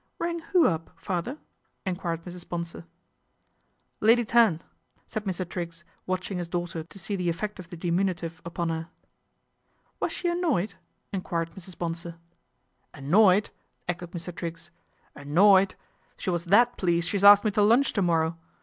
" Rang who up, father ?" enquired Mrs. Bonsor. " Lady Tan," said Mr. Triggs, watching his daughter to see the effect of the diminutive upon her. " Was she annoyed ?" enquired Mrs. Bonsor. PATRICIA'S INCONSTANCY 231 " Annoyed !" echoed Mr. Triggs. " Annoyed ! She was that pleased she's asked me to lunch to morrow.